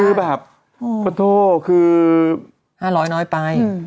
เออจริง